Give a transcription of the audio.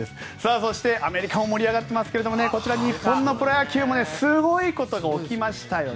そしてアメリカも盛り上がってますけれどもこちら、日本のプロ野球もすごいことが起きましたよね。